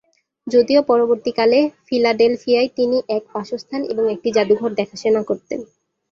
যদিও পরবর্তীকালে, ফিলাডেলফিয়ায় তিনি এক বাসস্থান এবং একটি জাদুঘর দেখাশোনা করতেন।